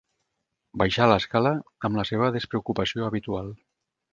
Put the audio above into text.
Baixà l'escala amb la seva despreocupació habitual